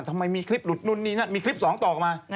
ทำไมมีคลิปหลุดนู่นนี่นั่นมีคลิปสองต่อมา